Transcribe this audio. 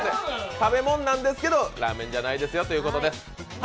食べ物なんですけど、ラーメンじゃないですよということです。